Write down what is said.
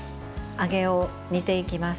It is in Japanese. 揚げを煮ていきます。